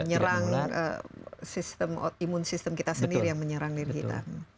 menyerang sistem imun sistem kita sendiri yang menyerang diri kita